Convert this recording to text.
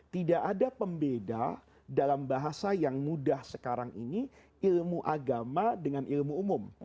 tidak ada pembeda dalam bahasa yang mudah sekarang ini ilmu agama dengan ilmu umum